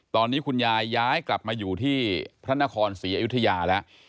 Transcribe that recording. ตอนนี้คุณยายย้ายกลับมาอยู่ที่พระนครศรีอยุธยาแล้ว